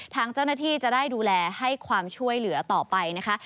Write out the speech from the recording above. ทางเจ้าหน้าที่จะได้ดูแลให้ความช่วยเหลือต่อไปนะคะ